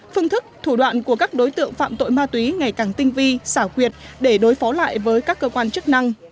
phương thức thủ đoạn của các đối tượng phạm tội ma túy ngày càng tinh vi xảo quyệt để đối phó lại với các cơ quan chức năng